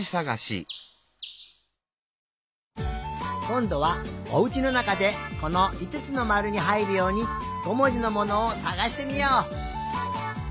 こんどはおうちのなかでこのいつつのまるにはいるように５もじのものをさがしてみよう！